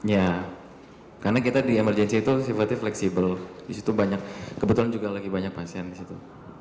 ya karena kita di emergency itu sifatnya fleksibel disitu banyak kebetulan juga lagi banyak pasien di situ